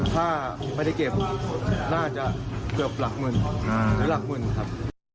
ถ้าไม่ได้เก็บน่าจะเกือบหลักหมื่นหรือหลักหมื่นครับ